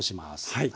はい。